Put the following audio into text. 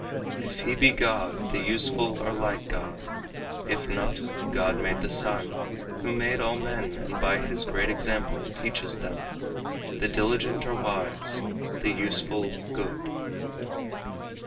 If he be God, the useful are like God; If not, God made the sun, who made all men And by his great example teaches them The diligent are wise, the useful good."